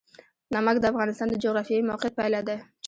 نمک د افغانستان د جغرافیایي موقیعت پایله ده.